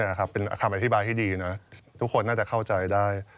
นะครับเป็นคำอธิบายที่ดีนะทุกคนน่าจะเข้าใจได้